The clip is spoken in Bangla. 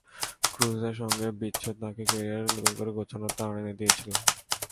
ক্রুজের সঙ্গে বিচ্ছেদ তাঁকে ক্যারিয়ার নতুন করে গোছানোর তাড়না এনে দিয়েছিল।